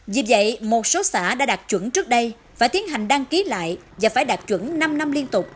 vì vậy một số xã đã đạt chuẩn trước đây phải tiến hành đăng ký lại và phải đạt chuẩn năm năm liên tục